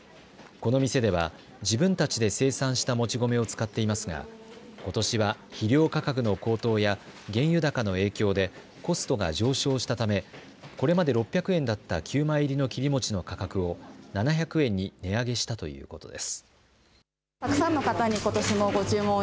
この店では自分たちで生産した餅米を使っていますがことしは肥料価格の高騰や原油高の影響でコストが上昇したためこれまで６００円だった９枚入りの切り餅の価格を７００円に値上げしたということです。